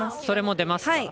それも出ますか。